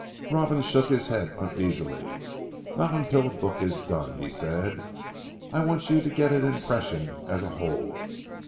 Robin shook his head uneasily. "Not until the book is done," he said. "I want you to get an impression as a whole.